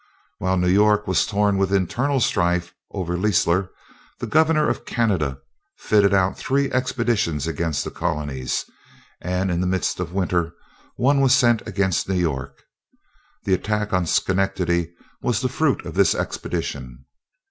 While New York was torn with internal strife over Leisler, the governor of Canada fitted out three expeditions against the colonies, and in the midst of winter one was sent against New York. The attack on Schenectady was the fruit of this expedition.